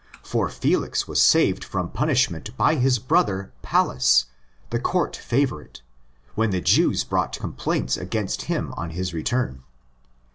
For Felix was saved from punishment by his brother Pallas, the court favourite, when the Jews brought complaints against him on his return.